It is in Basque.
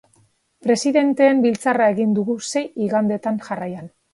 Presidenteen biltzarra egin dugu sei igandetan jarraian.